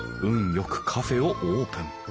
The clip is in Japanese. よくカフェをオープン。